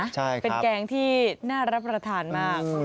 ใช่เป็นแกงที่น่ารับประทานมาก